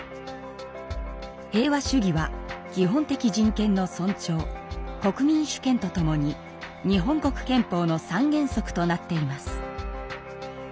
平和主義は「基本的人権の尊重」「国民主権」とともに日本国憲法の三原則となっています。